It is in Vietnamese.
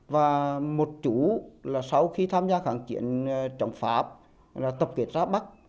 và một chú sau khi tham gia kháng chiến trong pháp tập kết ra bắc